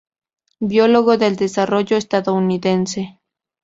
Biólogo del desarrollo estadounidense.